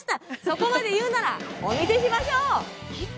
そこまで言うならお見せしましょう